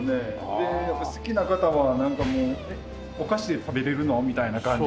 でやっぱ好きな方はなんかもうお菓子で食べれるの？みたいな感じで。